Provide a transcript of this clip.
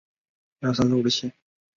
积极参与邻里聚会